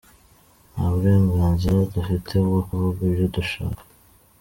Nta burenganzira dufite bwo kuvuga ibyo dushaka.